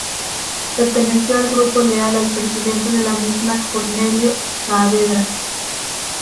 Perteneció al grupo leal al presidente de la misma, Cornelio Saavedra.